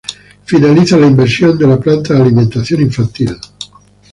Finaliza la inversión de la planta de alimentación infantil.